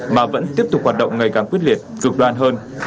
mà vẫn tiếp tục hoạt động ngày càng quyết liệt cực đoan hơn